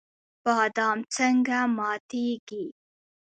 بادام څنګه ماتیږي؟